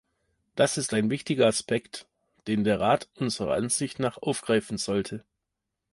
Das ist ein wichtiger Aspekt, den der Rat unserer Ansicht nach aufgreifen sollte.